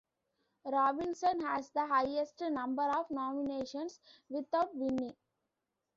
Robinson has the highest number of nominations without winning.